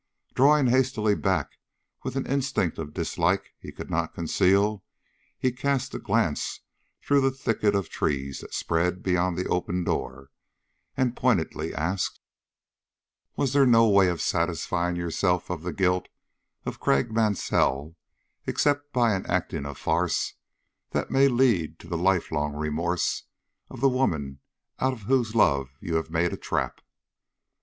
Drawing hastily back with an instinct of dislike he could not conceal, he cast a glance through the thicket of trees that spread beyond the open door, and pointedly asked: "Was there no way of satisfying yourself of the guilt of Craik Mansell, except by enacting a farce that may lead to the life long remorse of the woman out of whose love you have made a trap?"